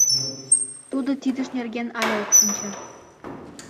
Тудо тидыж нерген але ок шинче.